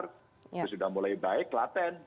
itu sudah mulai baik klaten